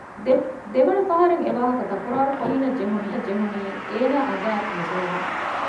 ދެވަނަ ފަހަރަށް އެވާހަކަ ތަކުރާރުކޮއްލަން ނަވީނަށް ޖެހުނީ އޭނާ އަނގައިން ނުބުނުމުން